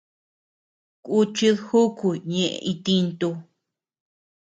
Kuchid júku ñeʼe itintu.